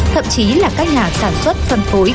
thậm chí là các nhà sản xuất phân phối